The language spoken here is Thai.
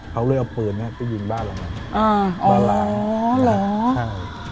เขาเลยเอาปืนไปยิงบ้านหลังนั้นบ้านหลัง